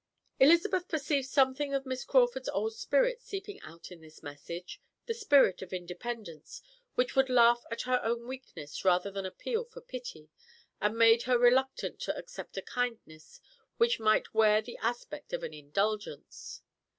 Elizabeth perceived something of Miss Crawford's old spirit peeping out in this message, the spirit of independence, which would laugh at her own weakness rather than appeal for pity, and made her reluctant to accept a kindness which might wear the aspect of an indulgence.